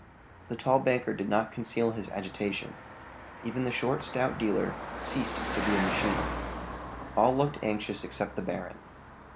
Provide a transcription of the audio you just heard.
The tall banker did not conceal his agitation. Even the short, stout dealer ceased to be a machine. All looked anxious except the baron.